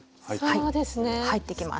はい入ってきます。